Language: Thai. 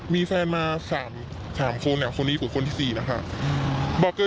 มีแฟนมาสามคนแถวของที่สี่นะคะ